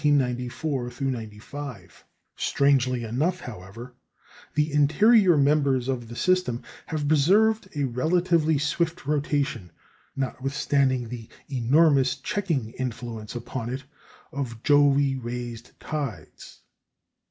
Strangely enough, however, the interior members of the system have preserved a relatively swift rotation, notwithstanding the enormous checking influence upon it of Jove raised tides.